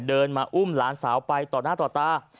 เดินมาอุ้มหลานสาวไปต่อหน้าต่อตา